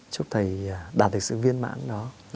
chúc thầy đạt được sự viên mãn đó